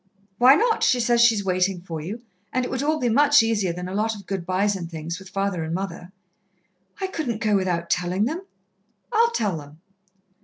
"Why not? She says she's waiting for you, and it would all be much easier than a lot of good byes and things, with father and mother." "I couldn't go without telling them." "I'll tell them."